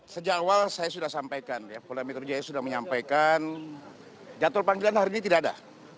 sejak awal saya sudah sampaikan ya polda metro jaya sudah menyampaikan jadwal panggilan hari ini tidak ada